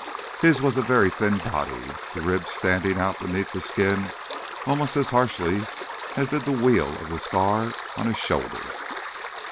His was a very thin body, the ribs standing out beneath the skin almost as harshly as did the weal of the scar on his shoulder.